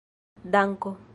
danko